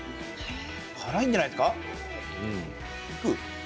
辛いんじゃないですか。